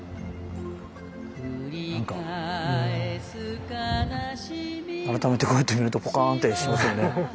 何か改めてこうやって見るとポカンってしますよね。